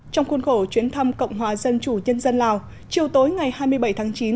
trong khuôn khổ chuyến thăm cộng hòa dân chủ nhân dân lào chiều tối ngày hai mươi bảy tháng chín